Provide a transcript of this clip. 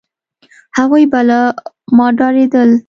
هغوی به له ما ډارېدل،